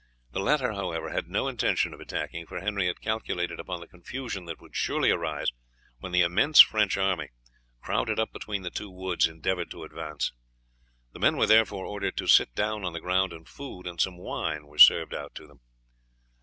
The latter, however, had no intention of attacking, for Henry had calculated upon the confusion that would surely arise when the immense French army, crowded up between the two woods, endeavoured to advance. The men were therefore ordered to sit down on the ground, and food and some wine were served, out to them.